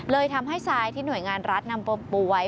เลยทำให้ทรายที่หน่วยงานรัฐนำป่วย